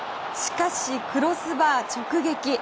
しかし、クロスバー直撃。